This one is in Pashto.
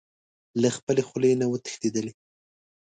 له خپلې خولې نه و تښتېدلی.